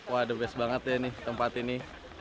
waduh best banget ya nih tempat ini